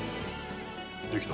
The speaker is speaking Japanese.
「できた」